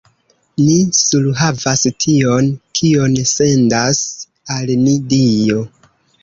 Ni surhavas tion, kion sendas al ni Dio!